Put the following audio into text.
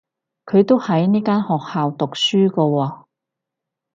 佢都喺呢間學校讀書㗎喎